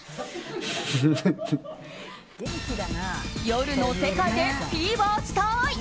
夜の世界でフィーバーしたい。